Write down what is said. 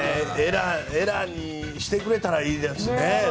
エラーにしてくれたらいいんですけどね。